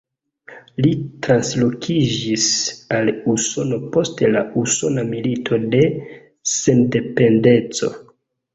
Li translokiĝis al Usono post la Usona Milito de Sendependeco.